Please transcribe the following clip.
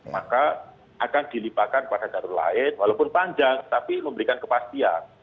maka akan dilipatkan pada jalur lain walaupun panjang tapi memberikan kepastian